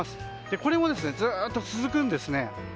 これも、ずっと続くんですね。